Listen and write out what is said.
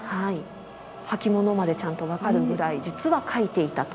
履き物までちゃんと分かるぐらい実は描いていたという。